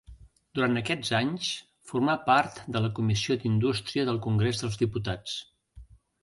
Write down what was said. Durant aquests anys formà part de la Comissió d'Indústria del Congrés dels Diputats.